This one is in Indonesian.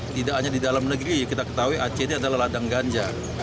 tidak hanya di dalam negeri kita ketahui aceh ini adalah ladang ganja